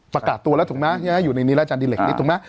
ประกาศตัวแล้วถูกไหมอยู่ในนี้แล้วอาจารดิเล็กนิดถูกไหม